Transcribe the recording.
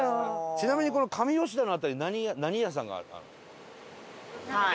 ちなみにこの上吉田の辺り何屋さんがある？